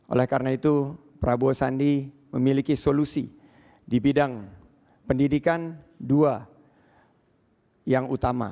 oleh karena itu prabowo sandi memiliki solusi di bidang pendidikan dua yang utama